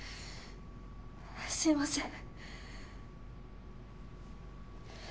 すいません。